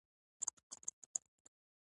ښاري ښکلا د ښار اقتصادي ارزښت لوړوي.